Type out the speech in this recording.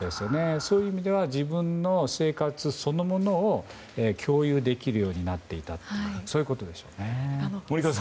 そういう意味では自分の生活そのものを共有できるようになっていたということでしょうね。